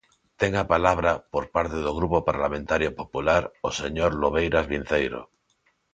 Ten a palabra, por parte do Grupo Parlamentario Popular, o señor Lobeiras Vinceiro.